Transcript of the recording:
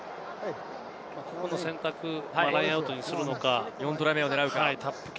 ここの選択、ラインアウトにするのか、４トライ目を狙うのか。